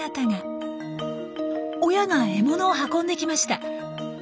親が獲物を運んできました。